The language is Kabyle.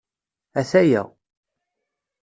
Ataya.